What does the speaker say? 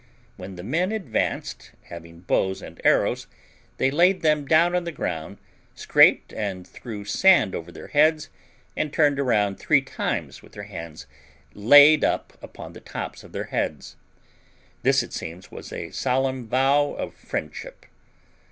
When the men advanced, having bows and arrows, they laid them down on the ground, scraped and threw sand over their heads, and turned round three times with their hands laid up upon the tops of their heads. This, it seems, was a solemn vow of friendship.